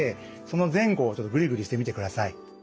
その前後をグリグリしてみてください。